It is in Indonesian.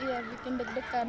iya bikin deg degan